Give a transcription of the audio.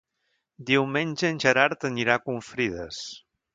Diumenge en Gerard anirà a Confrides.